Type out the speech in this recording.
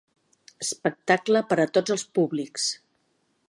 Espectacle per a tots els públics.